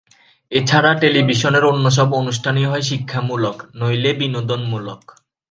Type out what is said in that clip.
এ ছাড়া টেলিভিশনের অন্য সব অনুষ্ঠানই হয় শিক্ষামূলক, নইলে বিনোদনমূলক।